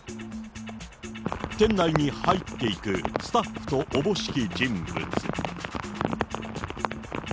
店内に入っていくスタッフとおぼしき人物。